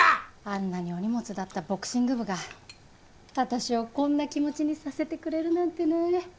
あんなにお荷物だったボクシング部が私をこんな気持ちにさせてくれるなんてね。